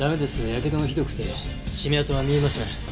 やけどがひどくて絞め痕は見えません。